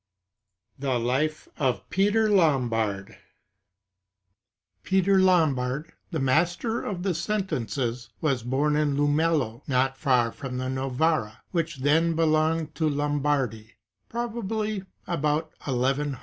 2. THE life of PETER THE LOMBARD Peter Lombard, the "Master of the Sentences," was born in Lumello, not far from Novara, (which then belonged to Lom bardy), probably about i loo.